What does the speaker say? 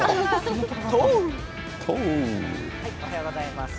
おはようございます。